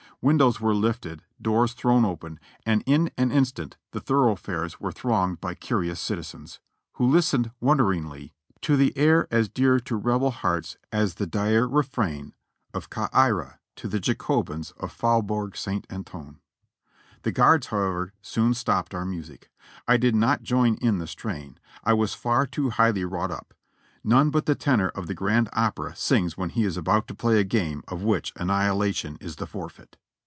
Windows \vere lifted, doors thrown open, and in an instant the thoroughfares were thronged by curious citizens, who listened wonderingly to the air as dear to Rebel hearts as the dire refrain of "Ca Ira" to the Jacobins of Faubourg St. Antoine. The guards, however, soon stopped our music. I did not join in the strain, I was far too highly wrought up; none but the tenor of the grand opera sings when he is about to play a game of which annihilation is the forfeit.